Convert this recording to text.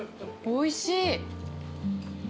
おいしい！